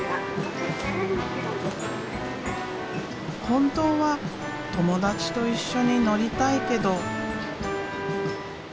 本当は友達と一緒に乗りたいけど。